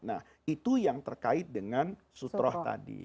nah itu yang terkait dengan sutroh tadi